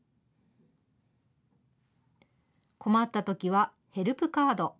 困ったときは、ヘルプカード。